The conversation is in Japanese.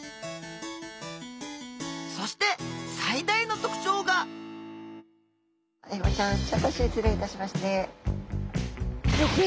そして最大の特徴がアイゴちゃんちょっと失礼いたしますね。